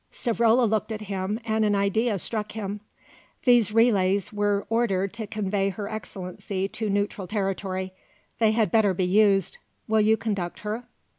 Savrola looked at him and an idea struck him. "These relays were ordered to convey Her Excellency to neutral territory; they had better be so used. Will you conduct her?"